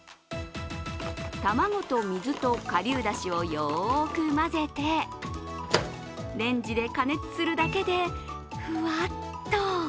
卵と水とかりゅうだしをよーく混ぜてレンジで加熱するだけでふわっと。